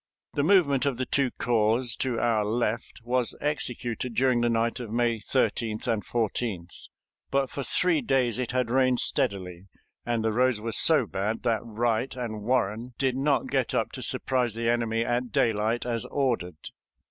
The movement of the two corps to our left was executed during the night of May 13th and 14th, but for three days it had rained steadily, and the roads were so bad that Wright and Warren did not get up to surprise the enemy at daylight as ordered.